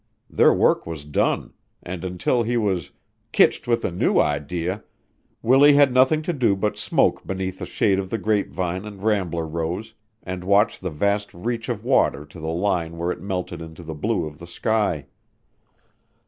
Their work was done, and until he was "kitched with a new idee" Willie had nothing to do but smoke beneath the shade of the grapevine and rambler rose and watch the vast reach of water to the line where it melted into the blue of the sky.